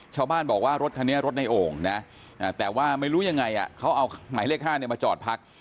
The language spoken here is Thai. ชาวบ้านบอกว่ารถคันนี้รถในโอ่งนะแต่ว่าไม่รู้ยังไงเขาเอาหมายเลข๕มาจอดพัก